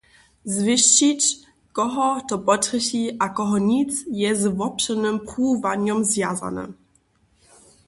Zwěsćić, koho to potrjechi a koho nic, je z wobšěrnym pruwowanjom zwjazane.